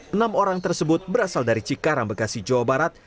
enam orang tersebut berasal dari cikarang bekasi jawa barat